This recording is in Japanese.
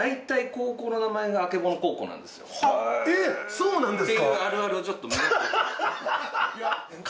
そうなんですよ。